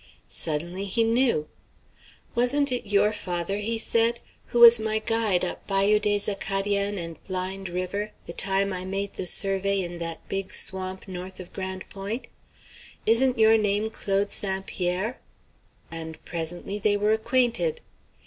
Suddenly he knew. "Wasn't it your father," he said, "who was my guide up Bayou des Acadiens and Blind River the time I made the survey in that big swamp north of Grande Pointe? Isn't your name Claude St. Pierre?" And presently they were acquainted.